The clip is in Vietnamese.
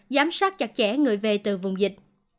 giám sát chặt chẽ người về từ vùng dịch